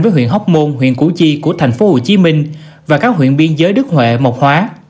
với huyện hóc môn huyện củ chi của tp hcm và các huyện biên giới đức huệ mộc hóa